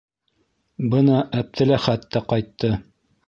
Бына Әптеләхәт тә ҡайтты.